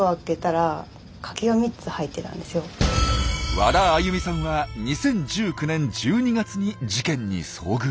和田有優深さんは２０１９年１２月に事件に遭遇。